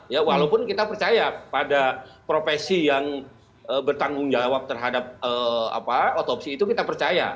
ya walaupun kita percaya pada profesi yang bertanggung jawab terhadap otopsi itu kita percaya